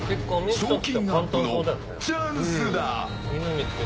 賞金アップのチャンスだ！